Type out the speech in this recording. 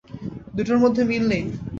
দুটোর মধ্যে মিল নেই।